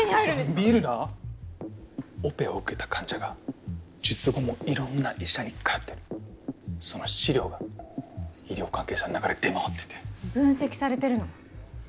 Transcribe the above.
見るなオペを受けた患者が術後も色んな医者に通ってるその資料が医療関係者の中で出回ってて分析されてるの？